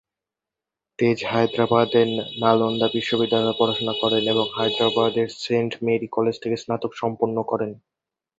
তেজ হায়দ্রাবাদের নালন্দা বিদ্যালয়ে পড়াশোনা করেন এবং হায়দ্রাবাদের সেন্ট মেরি কলেজ থেকে স্নাতক সম্পন্ন করেন।